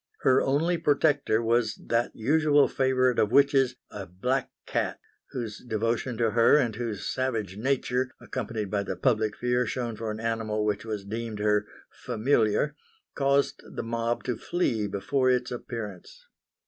Her only protector was that usual favourite of witches, a black cat, whose devotion to her and whose savage nature, accompanied by the public fear shown for an animal which was deemed her "familiar," caused the mob to flee before its appearance.